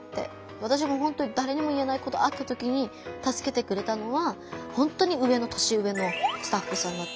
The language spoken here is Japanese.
私もほんとにだれにも言えないことあった時にたすけてくれたのはほんとに年上のスタッフさんだったし。